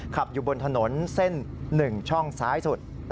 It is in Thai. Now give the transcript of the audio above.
ขับอยู่บนถนนเส้น๑ช่องซ้ายสุด